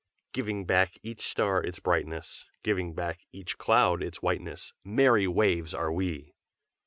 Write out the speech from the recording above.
Giving back each star its brightness, Giving back each cloud its whiteness, Merry waves are we!"